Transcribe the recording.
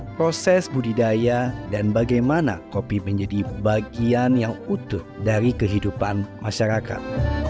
proses budidaya dan bagaimana kopi menjadi bagian yang utuh dari kehidupan masyarakat